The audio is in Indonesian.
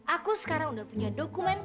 aku sekarang udah punya dokumen